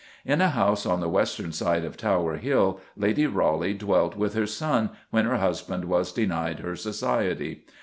In a house on the western side of Tower Hill Lady Raleigh dwelt with her son when her husband was denied her society.